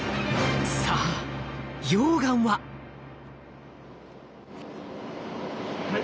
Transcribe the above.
さあ溶岩は？